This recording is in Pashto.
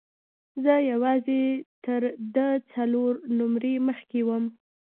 زه یوازې تر ده څلور نمرې مخکې وم.